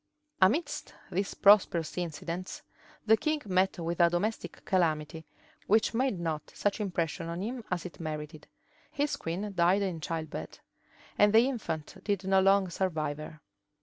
{1503.} Amidst these prosperous incidents, the king met with a domestic calamity, which made not such impression on him as it merited: his queen died in childbed; and the infant did not long survive her.